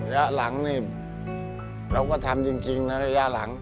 หลังนี่เราก็ทำจริงนะระยะหลัง